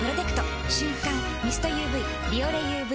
瞬感ミストＵＶ「ビオレＵＶ」